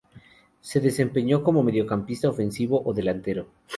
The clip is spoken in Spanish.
Se desempeñó como mediocampista ofensivo o delantero.